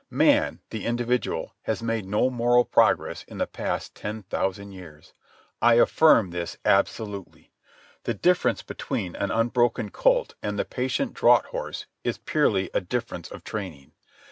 Man, the individual, has made no moral progress in the past ten thousand years. I affirm this absolutely. The difference between an unbroken colt and the patient draught horse is purely a difference of training.